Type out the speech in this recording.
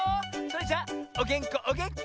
それじゃおげんこおげんこ！